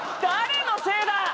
誰のせいだ！